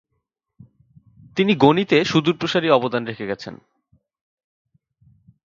তিনি গণিতে সুদূরপ্রসারী অবদান রেখে গেছেন।